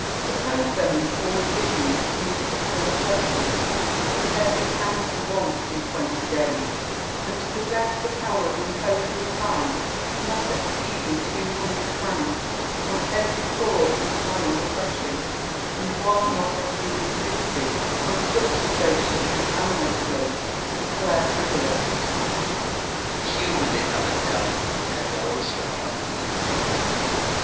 Suppose them in four divisions to meet at four places in every county once in twenty days, and to possess the power of imposing a fine not exceeding two hundred francs on every cause implying oppression, and one not exceeding fifty on such as they should unanimously declare frivolous. Rousseau, Few would become attorneys, and those from among the indigent.